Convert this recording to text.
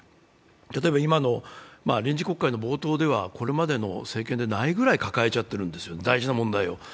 例えば今の臨時国会の冒頭ではこれまでの政権でないくらい抱えちゃってるんですよね、大事な問題を。